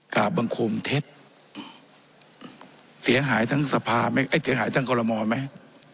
กลับบังคมเท็จเสียหายทั้งกรมอมไหม